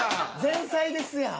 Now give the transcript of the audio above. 前菜ですやん。